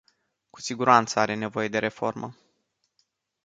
Cu siguranță are nevoie de reformă.